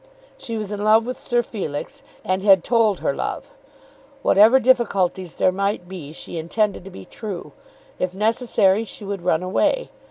She was in love with Sir Felix, and had told her love. Whatever difficulties there might be, she intended to be true. If necessary, she would run away.